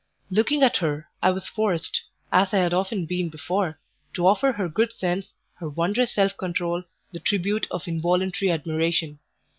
Looking at her, I was forced, as I had often been before, to offer her good sense, her wondrous self control, the tribute of involuntary admiration.